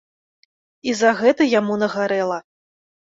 І за гэта яму нагарэла.